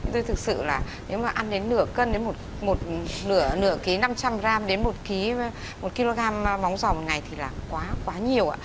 thực sự là nếu mà ăn đến nửa cân nửa ký năm trăm linh gram đến một kg móng giò một ngày thì là quá nhiều ạ